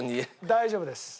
大丈夫です。